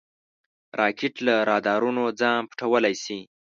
راکټ له رادارونو ځان پټولی شي